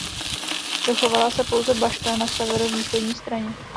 Dochovala se pouze bašta na severovýchodní straně.